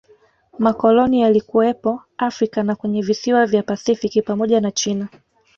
Makoloni yalikuwepo Afrika na kwenye visiwa vya pasifiki pamoja na China